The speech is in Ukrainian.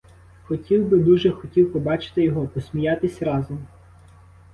Хотів би, дуже хотів побачити його, посміятись разом.